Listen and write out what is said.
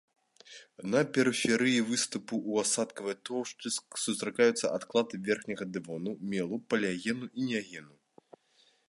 На перыферыі выступу ў асадкавай тоўшчы сустракаюцца адклады верхняга дэвону, мелу, палеагену і неагену.